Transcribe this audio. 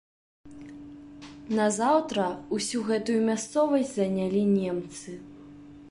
Назаўтра ўсю гэтую мясцовасць занялі немцы.